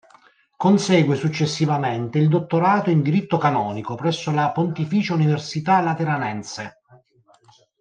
Consegue successivamente il dottorato in diritto canonico presso la Pontificia Università Lateranense.